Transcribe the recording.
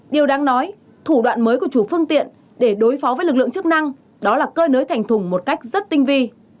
điều đáng nói thủ đoạn mới của chủ phương tiện để đối phó với lực lượng chức năng đó là cơi nới thành thùng một cách rất tinh vi